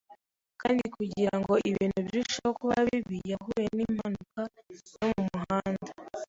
Kandi kugirango ibintu birusheho kuba bibi, yahuye nimpanuka yo mumuhanda.